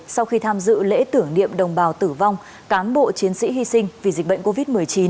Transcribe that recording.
sau khi tham dự lễ tưởng niệm đồng bào tử vong cán bộ chiến sĩ hy sinh vì dịch bệnh covid một mươi chín